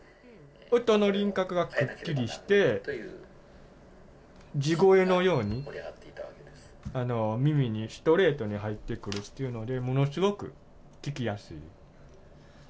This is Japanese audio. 音の輪郭がくっきりして、地声のように耳にストレートに入ってくるっていうので、ものすごく聞きやすい。